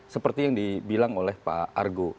seperti yang dibilang oleh pak argo